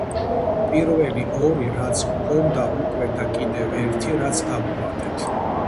პირველი ორი, რაც გვქონდა უკვე და კიდევ ერთი რაც დავუმატეთ.